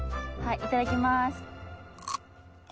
いただきます。